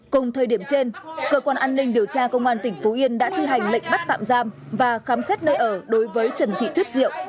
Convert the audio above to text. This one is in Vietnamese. cùng thời điểm trên cơ quan an ninh điều tra công an tỉnh phú yên đã thi hành lệnh bắt tạm giam và khám xét nơi ở đối với trần thị tuyết diệu